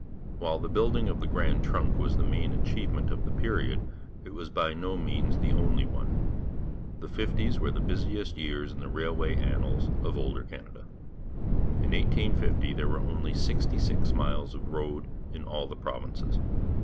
While the building of the Grand Trunk was the main achievement of the period, it was by no means the only one. The fifties were the busiest years in the railway annals of older Canada. In 1850 there were only 66 miles of road in all the provinces.